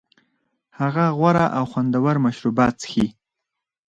هغه غوره او خوندور مشروبات څښي